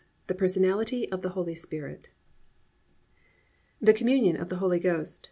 VI THE PERSONALITY OF THE HOLY SPIRIT "The Communion of the Holy Ghost."